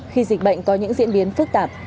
khi dịch bệnh có những diễn biến phức tạp